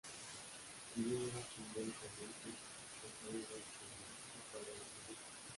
Si bien era simbólicamente vasallo del jedive, no pagaba tributos.